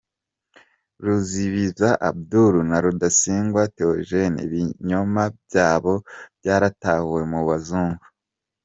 Ruzibiza Abdoul na Rudasingwa Teogene ibinyoma byabo byaratahuwe mu Bazungu